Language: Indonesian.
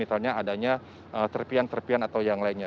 misalnya adanya serpian serpian atau yang lainnya